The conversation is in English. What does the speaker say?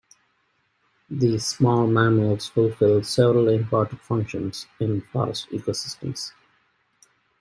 These small mammals fulfill several important functions in forest ecosystems.